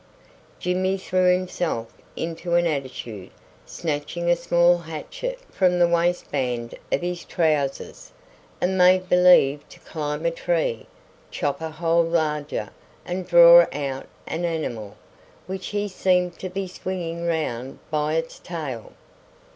Jimmy threw himself into an attitude, snatching a small hatchet from the waistband of his trousers, and made believe to climb a tree, chop a hole larger, and draw out an animal, which he seemed to be swinging round by its tail.